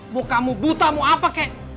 mau kamu buta mau apa kek